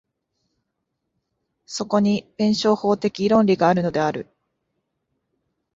そこに弁証法的論理があるのである。